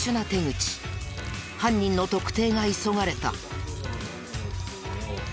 犯人の特定が急がれた。